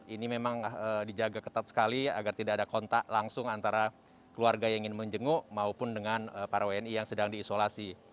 ini memang dijaga ketat sekali agar tidak ada kontak langsung antara keluarga yang ingin menjenguk maupun dengan para wni yang sedang diisolasi